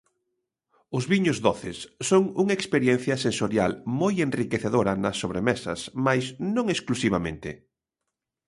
Os viños doces son unha experiencia sensorial moi enriquecedora nas sobremesas, mais non exclusivamente.